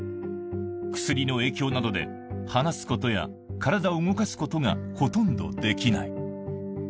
薬の影響などで、話すことや体を動かすことがほとんどできない。